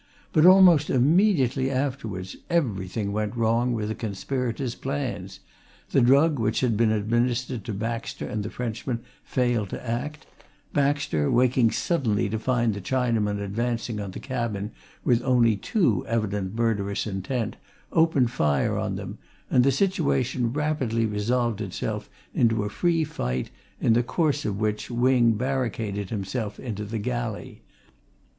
But almost immediately afterwards, everything went wrong with the conspirator's plans. The drug which had been administered to Baxter and the Frenchman failed to act; Baxter, waking suddenly to find the Chinamen advancing on the cabin with only too evident murderous intent, opened fire on them, and the situation rapidly resolved itself into a free fight, in the course of which Wing barricaded himself into the galley.